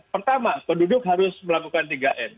pertama penduduk harus melakukan tiga m